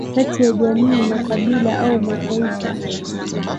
kati ya jamii makabila au mataifa